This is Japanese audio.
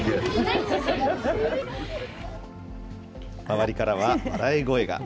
周りからは笑い声が。